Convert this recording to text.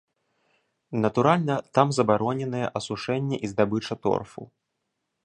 Натуральна, там забароненыя асушэнне і здабыча торфу.